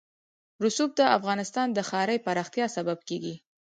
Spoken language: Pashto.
رسوب د افغانستان د ښاري پراختیا سبب کېږي.